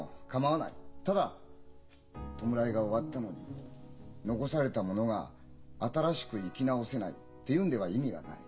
ただ弔いが終わったのに残された者が新しく生き直せないっていうんでは意味がない。